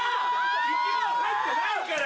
生き物入ってないから。